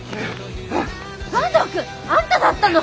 坂東くん！あんただったの？